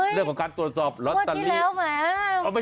เรื่องของการตรวจสอบลอตเตอรี่